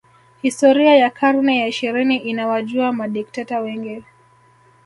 Historia ya karne ya ishirini inawajua madikteta wengi